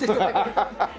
ハハハハ！